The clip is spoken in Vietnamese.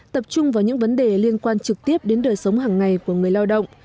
tập trung vào những vấn đề liên quan trực tiếp đến đời sống hàng ngày của người lao động